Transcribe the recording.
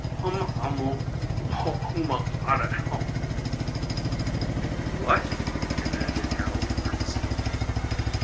"Huma uma ho huma ahdy um " "What?" demanded Harold earnestly.